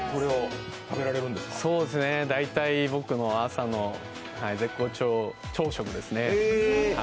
大体、僕の朝の絶好調朝食です。